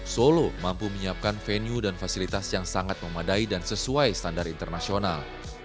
solo mampu menyiapkan venue dan fasilitas yang sangat memadai dan sesuai standar internasional